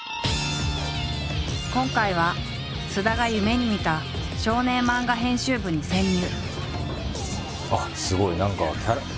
今回は菅田が夢にみた少年漫画編集部に潜入！